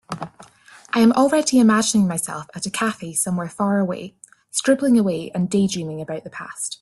I am already imagining myself at a cafe somewhere far away, scribbling away and daydreaming about the past.